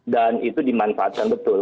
dan itu dimanfaatkan betul